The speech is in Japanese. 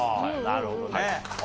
なるほどね。